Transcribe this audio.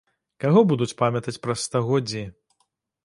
Каго будуць памятаць праз стагоддзі?